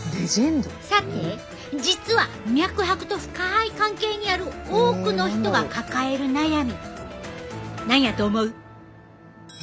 さて実は脈拍と深い関係にある多くの人が抱える悩み何やと思う？